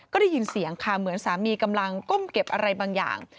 ก็ได้ยินเสียงค่ะเหมือนสามีกำลังก้มเก็บอะไรบางอย่าง